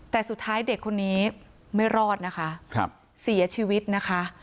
แต่สุดท้ายเด็กคนนี้ไม่รอดนะคะเสียชีวิตนะคะ